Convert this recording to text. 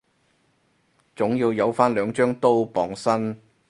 總要有返兩張刀傍身